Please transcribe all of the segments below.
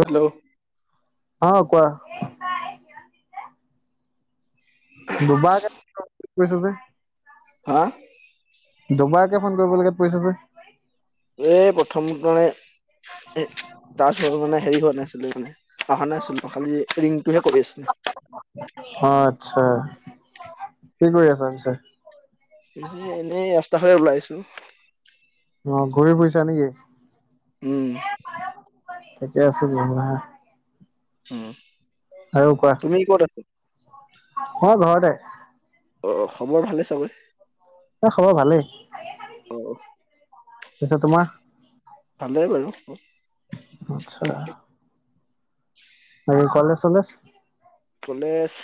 Hello. অঁ কোৱা। দুবাৰকে কৈছ যে হা দুবাৰকে ফোন কৰিব লগীয়াত পৰিছে যে, এ প্ৰথম মানে তাৰপিছত মানে হেৰি কোৱা নাছিলো মানে। অহা নাই চোন খালি ৰিংটোহে কৰি আছে। আটচা কি কৰি আছা পিছে? এনেই ৰাস্তা ফালে ওলাই আহিছো। অ ঘূৰি ফুৰিছা নেকি? উম। থিকেই আছে তেনেহলে হা। উম, তুমি ক'ত আছা? মই ঘৰতে। অঁ খবৰ ভালে চাবৰে? এ খবৰ ভালেই, পিছে তোমাৰ? ভালেই বাৰু। আটচ্ছা। আৰু কলেজ চলেজ কলেজ,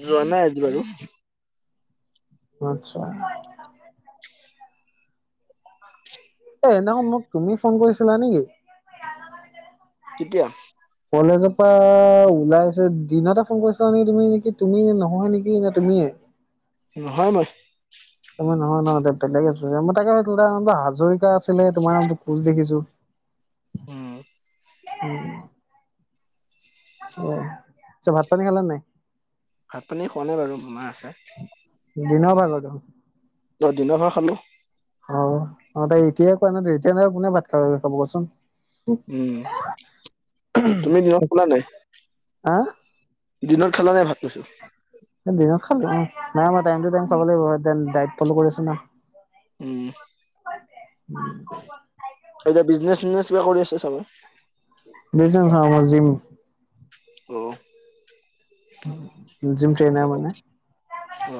যোৱা নাই আজি বাৰু। আত্ছা অই সেইদিনাখন মোক তুমি ফোন কৰিছিলা নেকি? কেতিয়া? কলেজৰ পৰা ওলাই আছো দিনতে ফোন কৰিছিলা নেকি তুমি নেকি তুমি নহয় নেকি তুমি! তুমিয়ে নহয় মই। নহয় নহয় বেলেগ আছে মই তাকে হাজৰিকা আছিলে তোমাৰ নামটো কোচ দেখিছোঁ। [inaudible] উম। উম অ ভাত পানী খালে নাই ভাত পানী খোৱা নে বাৰু মা আছে দিন ভাগত ত দিনতে খালো অ অ এতিয়াাই কোৱা এতিয়া কোনে ভাত খাব খাব কচোন উম তুমি দিনত শুলা নাই দিনত খালা নাই ভাত কৈছো খাল নাই ম খাব লাগিব ফল কৰিছ ন উম এতিয়া বিজনেচ নেচ কিবা কৰি আছে চবে বি যহ যিম অ' জিম ট্ৰেইনা মানে অ অ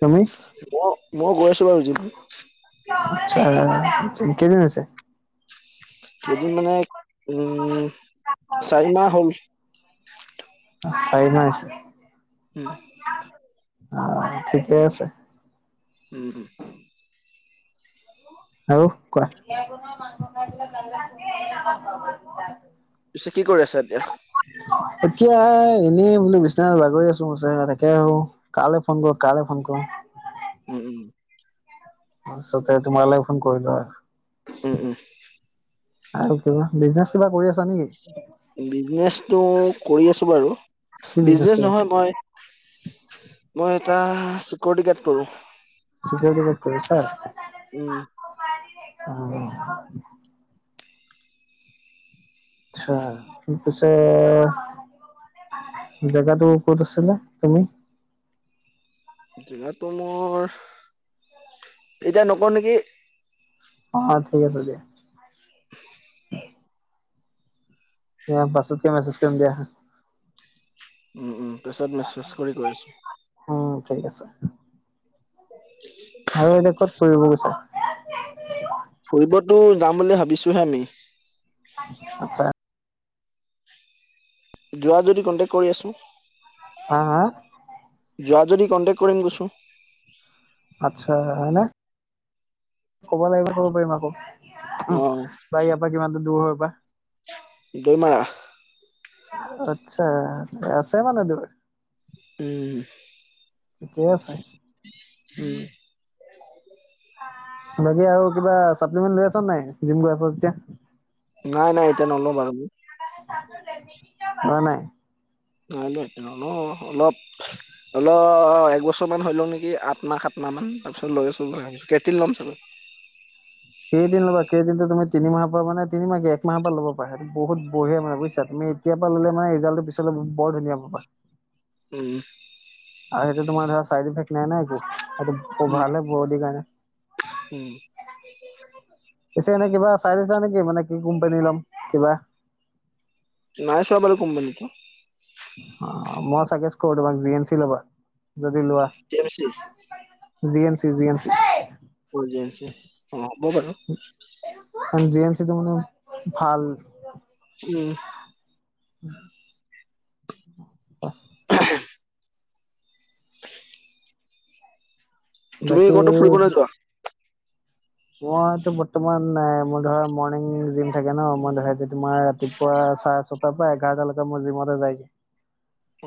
তুমি মই গৈ আছো বাৰু জিম আচ্ছা কেইদিন হৈছে এদিন মানে উম চাৰি মাহ হ'ল চাই নাইছে উম অ ঠিকেই আছে উম আৰু কোৱা পিছে কি কৰি আছা এতিয়া এতিয়া এনেই বোলো বিশ্বনাথ বাগৰি আছো থাকে আহো কালে ফোন কৰো কালে ফোন কৰো উম উম আছলতে তোমালে ফোন কৰিলো আৰু উম উম আৰু কিবা বিজনেচ কিবা কৰি আছা নেকি বিজনেচটো কৰি আছো বাৰু কি বিজনেচ কৰি আছা নহয় মই মই এটা চিকৰিটি গাৰ্ড কৰো চিকিৰিটি গাৰ্ড কৰো ছাৰ উম অ আচ্ছা ত পিছে জেগাটো ক'ত আছিলা তুমি জেগাটো মো এতিয়া নকওঁ নেকি অ ঠিক আছে দিয়া পাছতকে মেছেজ কৰিম দিয়া উম উম পিছত মেচা কৰি কৈ আছো উম ঠিক আছে আৰু এতিয়া ক'ত পৰিব গৈছে ফুৰিবতো যাম বুলি ভাবিছোহে আমি আত্ছা যোৱা যদি কন্টেকট কৰি আছো হা হা যোৱা যদি কণ্টেক্ট কৰিম কৈছোঁ আচ্ছা এনে ক'ব লাগিবা ক'ব পাৰিম আকৌ অ বা ইয়াৰ পৰা কিমানটো দূৰ হৈ পৰা দুইমাহ আত্ছা আছে মানে দ উম ঠিকেই আছে উম বাকি আৰু কিবা চাপ্লিমেন্ট লৈ আছ নে নাই জিম গৈ আছ যেতিয়া? নাই নাই এতিয়া নলওঁ বাৰু মই নাই নাই। নাই নাই নলও অলপ অলপ একবছৰ মান হৈ লওক নেকি আঠ মাহ সাত মাহ সাত মাহ মান তাৰ পিছত লৈ আছোঁ ভাবিছো কেৰটিন ল'ম চাগৈ [inaudible] কেৰেটিন ল'বা কেৰটিনটো তুমি তিনিমাহৰ পৰা মানে তিনি মাহ কি এক মাহৰ পৰা ল'ব পাৰা সেইটো বহুত বঢ়িয়া মানে বুজিছা তুমি এতিয়াৰ পৰা ল'লে মানে ৰিজাল্টো পিছলৈ ব বৰ ধুনীয়া পাবা। উম আৰু সেইটো তোমাৰ ধৰা চাইড ইফেক্ট নাই নহয় একো। সেইটো খুব উম ভালহে বডিৰ উম কাৰণে। পিছে এনে কিবা চাই লৈছা নেকি মানে কি কোম্পানীৰ ল'ম কিবা? নাই চোৱা বাৰু কোম্পানীটো। অ' মই চাজেষ্ট কৰো তোমাক জি এন চি ল'বা যদি লোৱা, G M C G N C G N C অ হ'ব বাৰু। জি এন চিটো মানে ভাল উম উম [inaudible] [unintelligible] তুমি বাকী ক'তো ফুৰিবলৈ নোযোৱা? মইটো বৰ্তমান নাই মই ধৰা মৰ্ণিং জিম থাকে ন মই ধৰা এতিয়া তোমাৰ ৰাতিপুৱা চাৰে ছটাৰ পৰা এঘাৰটালৈকে মই জিমতে যায়গে।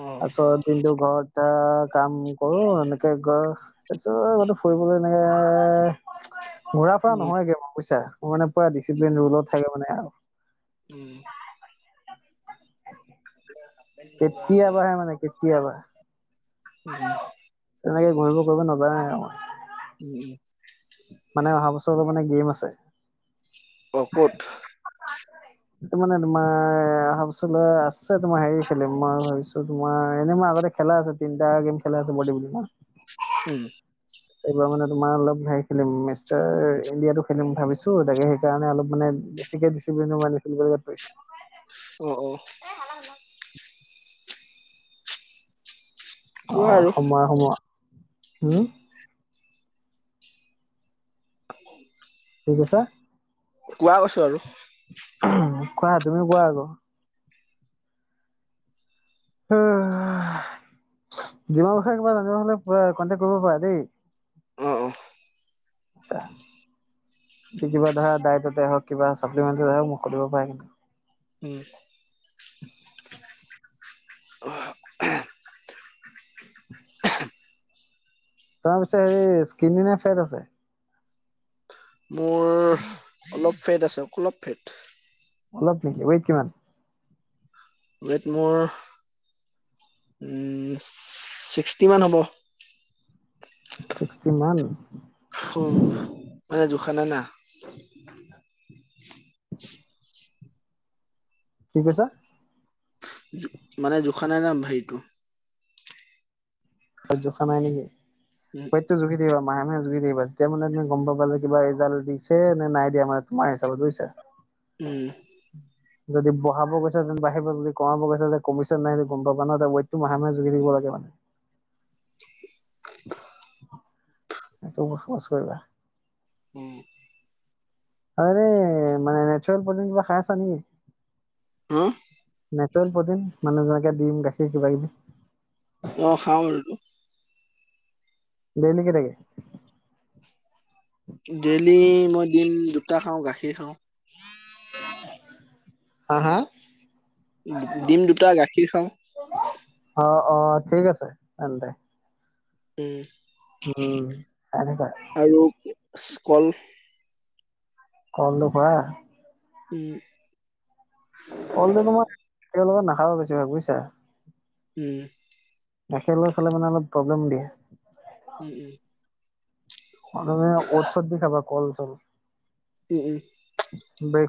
অ পাছত দিনটো ঘৰত এয়া কাম কৰো এনেকে গৈ কিছো ক'তো ফুৰিবলৈ এনেকে ঘূৰাফূৰা উম নহয়গে মই বুইছা, মই মানে পুৰা ডিচিপ্লিন ৰোলত থাকে মানে আৰু উম কেতিয়াবা হে মানে কেতিয়াবা উম তেনেকে ঘূৰিব ফূৰিব নাযায়ে আমাৰ উম উম বছৰলৈ মানে গেম আছে অ ক'ত? এইটো মানে তোমাৰ অহা বছৰলৈ আছে তোমাৰ হেৰি খেলিম মই ভাবিছো তোমাৰ এনে মই আগতে খেলা আছে তিনিটা গেম খেলা আছে বডি বিল্ডাৰ উম এইবাৰ মানে তোমাৰ অলপ হেৰি খেলিম মিষ্টাৰ ইণ্ডিয়াটো খেলিম ভাবিছো তাকে সেইকাৰণে অলপ মানে বেছিকে দিছিপ্লিন [unintelligible] অ অ [inaudible] কোৱা অ' আৰু সময় হ'ব? হম [inaudible] ঠিক আছে? কোৱা কৈছো আৰু কোৱা তুমিও কোৱা আকৌ অহ জিমৰ বিষয়ে কিবা জানিব হ'লে কনটেক্ট কৰিব পাৰা দেই। অ অ আচ্ছা! কিবা ধৰা ডায়েটতে হওক কিবা চাপ্লিমেণ্টে হওক মোক সুধিব পাৰে কিন্তু উম [unintelligible] তোৰ পিছহে স্কিনী নে ফেট আছে মোৰ অলপ ফেট আছে অলপ ফেট অলপ নেকি উৱেত কিমান উৱেত মোৰ উম ছিক্সটি মান হ'ব ছিক্সটি মান মানে জুখানাই না কি কৈছা মানে জোখান নাই নাম হেৰিটো ত জোখা নাই নেকি উৱেটতো জুখি দিবা মাহে মাহে জুগি থাকিবা তেতিয়া মানে তুমি গম পা যে কিবা ৰিজাল্ট দিছে নাই দিয়া মানে তোমাৰ হিচাপত বুজিছা উম যদি বহাব গৈছে তেন বাঢ়িব যদি কমাব গৈছে তে কমিছেনে নাই সেই গম পাব কাৰ নে হ বটো মাহে মাহে জুখি থাক লাগে মানে [inaudible] সটো বস মছ কৰিবলা [unintelligible] উম আৰে মানে নেচৰেল প্ৰটিন কিবা খাই আছা নেকি হা নেচেৰেল প্ৰটিন মানে যেনেকে দিম গাখীৰ কিবা কিবি অ খাও দেইলিকে থাকে ডেইলি মই দিম দুটা খাওঁ গাখীৰ খাওঁ [unintelligible] হা হা ডিম দুটা গাখীৰ খাওঁ অ অ ঠিক আছে তেন্তে উম উম তনেকে আৰু কল কললো খোৱা উম কলটো তোমাৰ একেলগে নাখাবা বেছিভাগ বুজিছা উম গাখীৰ লৈ খালে মানে অলপ প্ৰব্লেম দিয়ে উম উম তুমি ঔষধ দি খাবা কল চল উম উম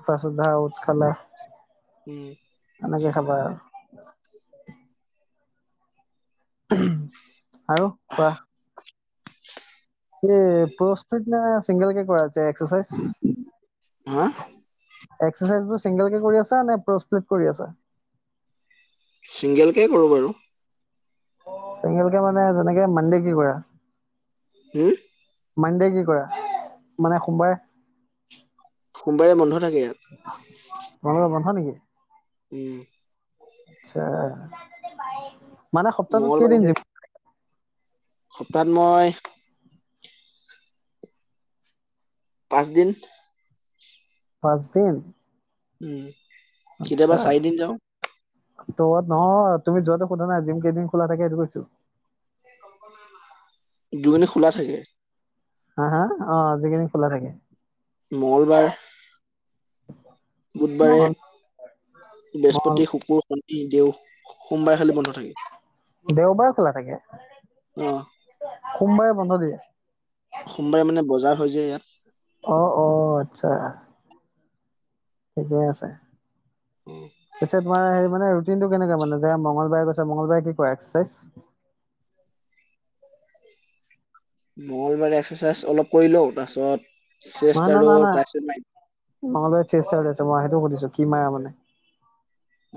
[unintelligible] আধা উচ খালা উম সেনেকে খাবা আৰু কোৱা এই পৰসপেত নে চিংগল কে কৰা দে এক্সাইজ হা এক্সাৰচাইজ বোৰ চিংগল কে কৰি আছা নে প্ৰ'স্প্লেট কৰি আছা ছিংগেলকে কৰোঁ বাৰু চেঙেলকে মানে যেনেকে মানডে কি কৰা হম মানডে কি কৰা মানে সোমবাৰে সোমবাৰে বন্ধ থাকে ইয়াত হয় নেকি উম আা মানে সপ্তাহটোতেইিন মংগলবাৰে য সপ্তাহত মই পাঁচ দিন পাঁচদিন উম কেতিয়াবা চাৰিদিন যাও তত নহয় তুমি যোৱাটো সোধা নাই জিম কেইদিন খোলা থাকে সেইটো কৈছো দুঅনি খোলা থাকে আহা অ আজিকালি খোলা থাকে মঙলবাৰ বুধবাৰে মঙল মঙল বৃহস্পতি শুকুৰ শনি দেউ সোমবাৰে খালি বন্ধ দেওবাৰে খোলা থাকে অ সোমবাৰে বন্ধ দিয়ে সোমবাৰে মানে বজাৰ হয় যে ইয়াত অ অ আচ্ছা ঠিকেই আছে পিছে তোমাৰ হেৰি মানে ৰুটিনটো কেনেকুৱা মানে যে মংগলবাৰে গৈছা মংগলবাৰে কি কৰা এক্সেচাইজ [unintelligible] মঙলবাৰে এক্সাচাইজ অলপ কৰি লও তাপিছত না না ন ন মা লগত ব শিলচৰ গৈছে মই সেইটো সুধিছো কি মাৰা মানে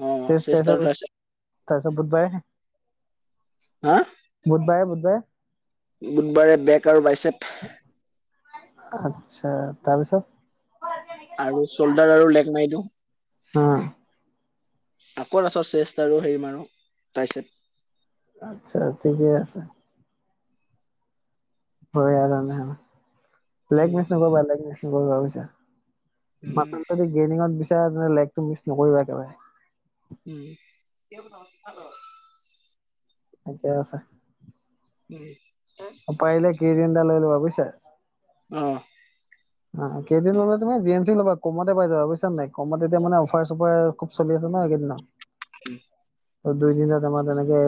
অ চেছ চেষ্ট আৰু ছাচাল ট্ৰাইচেপ তাছত বুধবাৰে হা বুধবাৰে বুধবাৰে বুধবাৰে বেক আৰু বাইচট আচ্ছা তাৰপিছত আৰু চল্ডাৰ আৰু লেগ মাৰি দিওঁ হ আকৌ তাচত চেষ্ট আৰু হেৰি মাৰোঁ টাছট আচ্ছা ঠিকে আছে হয় নাই উম লকমিছ ন কেক মিছ ন কাবছে উম মচাল যদি গেমিঙত বিচাৰা তে লেগটো মিছ নকৰিবা একেবাৰে উম ঠিকে আছে উম আ পাৰিলে কৰিং এটা লৈ লবা বুইছে অহ অ কেইদিন ল'লে তুমি জি এন চি ল'বা কমতে পাই যাবা বুইছা নাই কম এতিয়া মানে অফাৰ চফাৰ খুব চলি আছে কিনাজন ন উম ত দুই তিনটা তেমা তেনেকে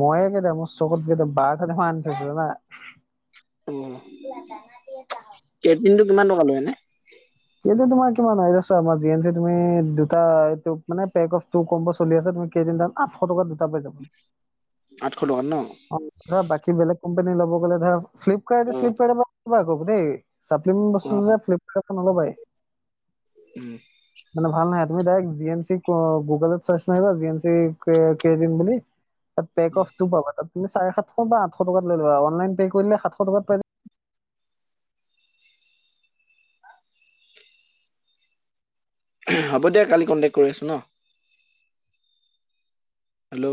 ময়ে কেইটা মোৰ চকত কেই বাৰটাতে আনি থৈছিলো ৰবা অ কেটিনটো কিমান টকা লয় এনে সেটো তোমাৰ কিমান আৰু চোৱা জি এন চি তুমি দুটা মানে পেক অফ টু কম্ব চলি আছে তুমি কেইদিনান আঠশ টকা দুটা পাই যাবা আঠশ টকাত ন অ ধৰা বাকী বেলেগ কোম্পানী লব গ'লে ধৰা ফ্লিপকাৰ্ট অ ফ্লিপকাৰ্ডৰ পৰা অৰ্ডাৰ নকৰিবা আক দেই চাপ্লিম বস্তু অ', যে ফ্লিপকাৰ্ট নলবাই উম মানে ভাল নহয় তুমি ডাইৰেক্ট জি এম চি গুগলত চাৰ্জ মাৰিবা জি এম চি কেবিন বুলি তাত পেক অফ উম। টো পাবা তাত তুমি চাৰে সাতশ বা আঠশ টকাত লৈ লবা অনলাইন পে' কৰিলে সাতশ টকাত পাই যায় হ'ব দিয়া কালি কণ্টেক কৰি আছোঁ ন হেল্ল'